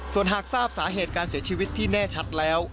ส่วนหากทราบสาเหตุการเสียชีวิตที่แน่ชัดแล้ว